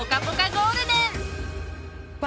ゴールデン。